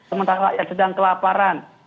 sementara yang sedang kelapar